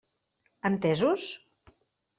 Entesos?